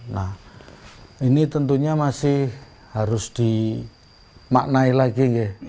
nah ini tentunya masih harus dimaknai lagi